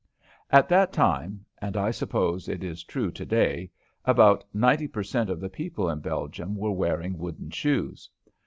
At that time and I suppose it is true to day about ninety per cent. of the people in Belgium were wearing wooden shoes.